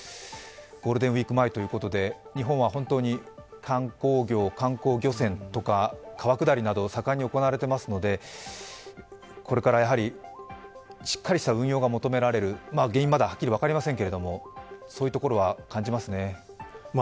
ゴールデンウイーク前ということで、日本は本当に観光業、観光漁船とか、川下りなど盛んに行われていますので、これからしっかりした運用が求められる、まだ原因は分かりませんけれども、そういうところは感じますね。